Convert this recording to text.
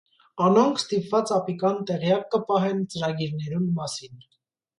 Անոնք ստիպուած ապիկան տեղեակ կը պահեն ծրագիրներուն մասին։